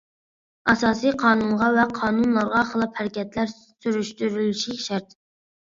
ئاساسىي قانۇنغا ۋە قانۇنلارغا خىلاپ ھەرىكەتلەر سۈرۈشتۈرۈلۈشى شەرت.